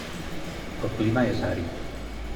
El clima és àrid.